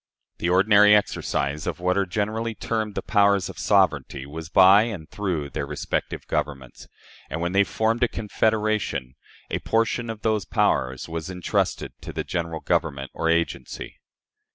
The ordinary exercise of what are generally termed the powers of sovereignty was by and through their respective governments; and, when they formed a confederation, a portion of those powers was intrusted to the General Government, or agency.